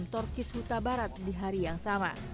torkis huta barat di hari yang sama